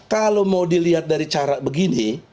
kalau mau dilihat dari cara begini